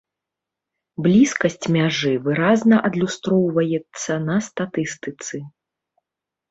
Блізкасць мяжы выразна адлюстроўваецца на статыстыцы.